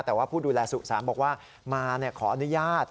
แต่ว่าผู้ดูแลสุสานบอกว่ามาขออนุญาต